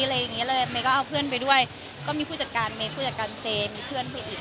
ก็เอาเพื่อนไปด้วยก็มีผู้จัดการเมคคือผู้จัดการเจมีเพื่อนไปอีก